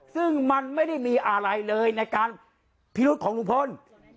ซึ่งมันไม่ได้มีอะไรเลยในการพิรุษของลุงพล